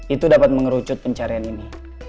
itu dapat mengerucut pencarian ini